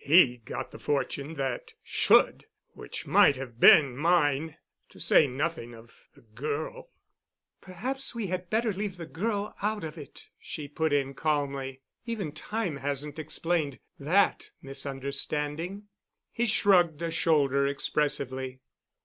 He got the fortune that should—which might have been mine—to say nothing of the girl——" "Perhaps we had better leave the girl out of it," she put in calmly. "Even time hasn't explained that misunderstanding." He shrugged a shoulder expressively.